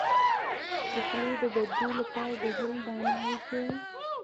د خولې د بد بوی لپاره د هل دانه وژويئ